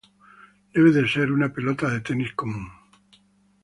Debe ser una pelota de tenis común.